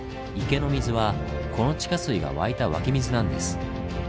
池の水はこの地下水が湧いた湧き水なんです。